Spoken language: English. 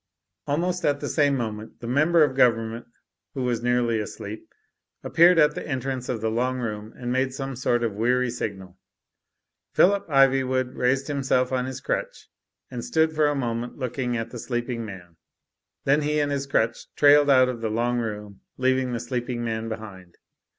Almost at the same moment the Member of Government, who was nearly asleep, appeared at the entrance of the long room and made some sort of weary signal. PWllip Ivywood raised himself on his crutch and stood for a moment looking at the sleeping man. Then he and his crutch trailed out of the long room, leaving the sleeping man behind.